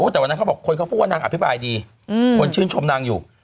แต่วันนั้นเขาบอกคนเขาพูดว่านางอธิบายดีคนชื่นชมนางอยู่